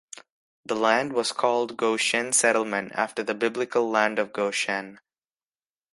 The land was called Goshen Settlement, after the biblical land of Goshen.